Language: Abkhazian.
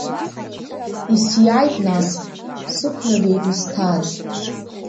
Исиааит нас, сықәнагеит исҭааз.